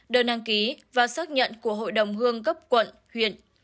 đơn đăng ký và xác nhận của hội đồng hương cấp quận huyện